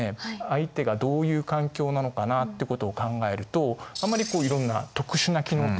相手がどういう環境なのかなってことを考えるとあんまりいろんな特殊な機能ってのは使わないほうが。